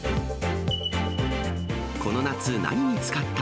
この夏何に使った？